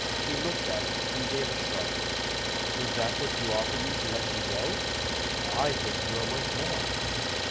He looked at it, and gave a shrug. "Is that what you offer me to let you go? I think you are worth more."